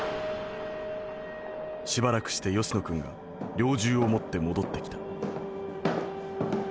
しばらくして吉野君が猟銃を持って戻ってきた」。